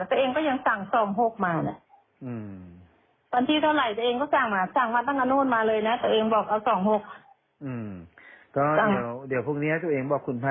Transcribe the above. เออตอนนี้เนี่ยที่เราส่งให้ตัวเองเมื่อกี้นะมันมี